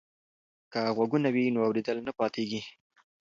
که غوږونه وي نو اوریدل نه پاتیږي.